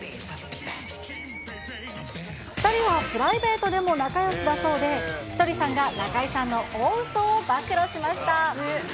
２人はプライベートでも仲よしだそうで、ひとりさんが中居さんの大うそを暴露しました。